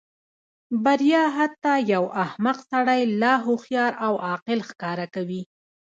بریا حتی یو احمق سړی لا هوښیار او عاقل ښکاره کوي.